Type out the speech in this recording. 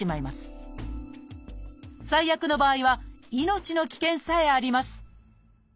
最悪の場合は命の危険さえあります